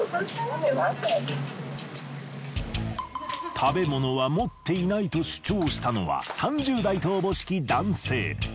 食べ物は持っていないと主張したのは３０代とおぼしき男性。